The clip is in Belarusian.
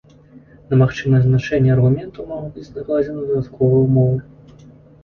На магчымыя значэнні аргументаў могуць быць накладзеныя дадатковыя ўмовы.